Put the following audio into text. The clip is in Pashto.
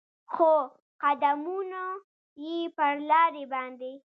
خو قدمونو یې پر لارې باندې